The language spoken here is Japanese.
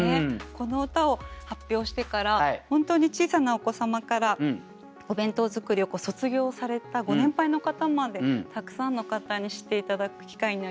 この歌を発表してから本当に小さなお子様からお弁当作りを卒業されたご年配の方までたくさんの方に知って頂く機会になりました。